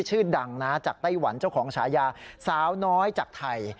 ชื่อดังนะจากไต้หวันเจ้าของฉายาสาวน้อยจากไทย